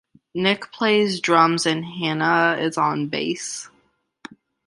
Nick plays drums, and Hannah is on bass.